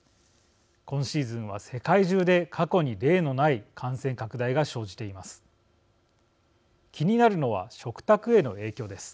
今シーズンは、世界中で過去に例のない感染拡大が生じています。